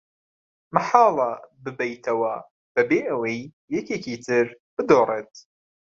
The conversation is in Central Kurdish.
مەحاڵە ببەیتەوە بەبێ ئەوەی یەکێکی تر بدۆڕێت.